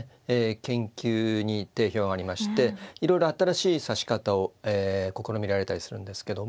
研究に定評がありましていろいろ新しい指し方を試みられたりするんですけども。